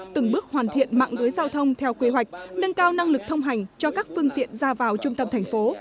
từng bước hoàn thiện mạng lưới giao thông theo quy hoạch nâng cao năng lực thông hành cho các phương tiện ra vào trung tâm thành phố